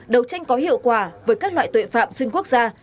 đấu tranh có hiệu quả với các loại tội phạm xuyên quốc gia